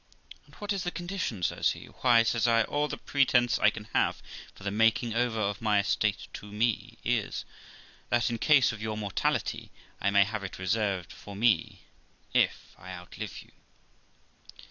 'And what is the condition?' says he. 'Why', says I, 'all the pretence I can have for the making over my own estate to me is, that in case of your mortality, I may have it reserved for me, if I outlive you.'